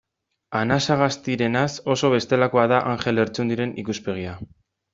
Anasagastirenaz oso bestelakoa da Anjel Lertxundiren ikuspegia.